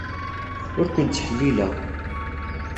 Ur ken-ttḥellileɣ.